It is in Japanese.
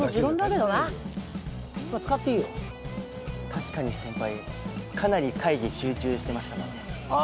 確かに先輩かなり会議集中してましたもんね。